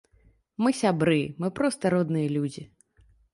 Мы сябры, мы проста родныя людзі.